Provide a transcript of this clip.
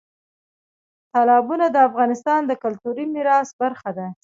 تالابونه د افغانستان د کلتوري میراث برخه ده.